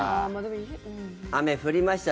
雨降りました